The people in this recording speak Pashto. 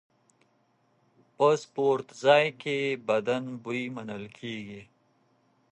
په سپورتځای کې بدن بوی منل کېږي.